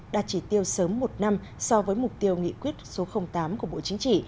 đạt chỉ tiêu sớm một năm so với mục tiêu nghị quyết số tám của bộ chính trị